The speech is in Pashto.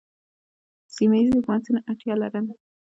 سیمه ییزو حکومتونو اړتیا لرله